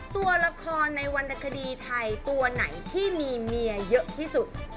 ตัวละครในวรรณคดีไทยตัวไหนที่มีเมียเยอะที่สุด